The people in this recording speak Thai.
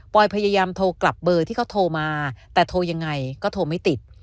พยายามโทรกลับเบอร์ที่เขาโทรมาแต่โทรยังไงก็โทรไม่ติด